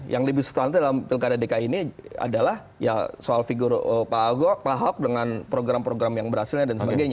yang lebih substantif dalam pilkada dki ini adalah ya soal figur pak ahok dengan program program yang berhasilnya dan sebagainya